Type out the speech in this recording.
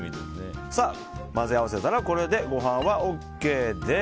混ぜ合わせたらこれでご飯はＯＫです。